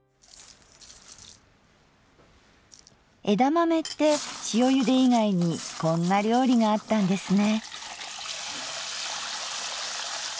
枝豆って塩ゆで以外にこんな料理があったんですね。